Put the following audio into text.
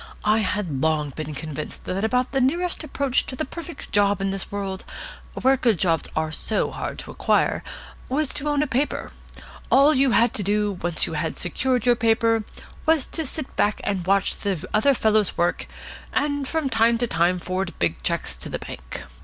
I had long been convinced that about the nearest approach to the perfect job in this world, where good jobs are so hard to acquire, was to own a paper. All you had to do, once you had secured your paper, was to sit back and watch the other fellows work, and from time to time forward big cheques to the bank.